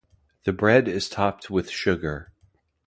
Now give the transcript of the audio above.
The bread is topped with sugar.